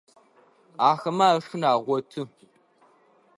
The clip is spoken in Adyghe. Ахэмэ ашхын агъоты.